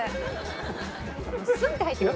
スッて入ってくる。